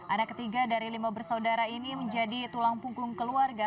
anak ketiga dari lima bersaudara ini menjadi tulang punggung keluarga